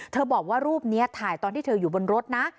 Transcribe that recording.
บอกว่ารูปนี้ถ่ายตอนที่เธออยู่บนรถนะ